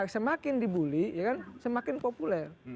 semakin dibully semakin populer